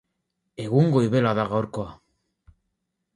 Egun goibela da gaurkoa